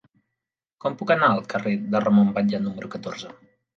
Com puc anar al carrer de Ramon Batlle número catorze?